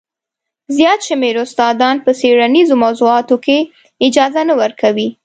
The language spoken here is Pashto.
زیات شمېر استادان په څېړنیزو موضوعاتو کې اجازه نه ورکوي.